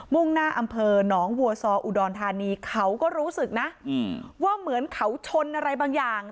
่งหน้าอำเภอหนองวัวซออุดรธานีเขาก็รู้สึกนะว่าเหมือนเขาชนอะไรบางอย่าง